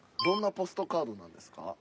どんなポストカードなんですか？